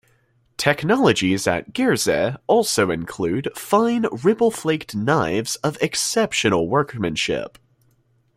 Technologies at Gerzeh also include fine ripple-flaked knives of exceptional workmanship.